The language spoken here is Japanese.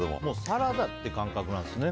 サラダっていう感覚なんですね。